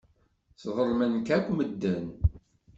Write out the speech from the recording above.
Sḍelmen-k akk medden.